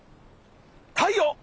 太陽！